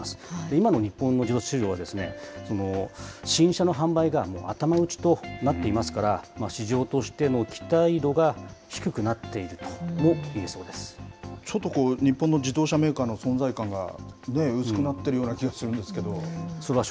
今の日本の自動車市場は新車の販売が、もう頭打ちとなっていますから、市場としての期待度が低くちょっと日本の自動車メーカーの存在感が薄くなってるような気がするんですけど。